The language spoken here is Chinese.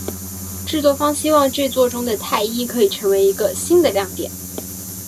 制作方希望这作中的泰伊可以成为一个新的亮点。